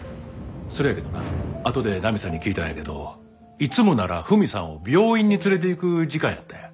それやけどなあとでナミさんに聞いたんやけどいつもならフミさんを病院に連れていく時間やったんや。